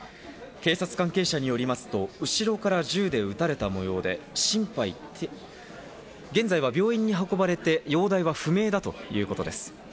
警察関係者によりますと後ろから銃で撃たれた模様で、現在は病院に運ばれて容体は不明だということです。